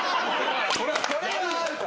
これはアウト！